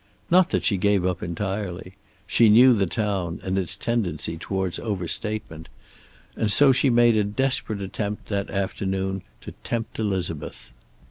Not that she gave up entirely. She knew the town, and its tendency toward over statement. And so she made a desperate attempt, that afternoon, to tempt Elizabeth.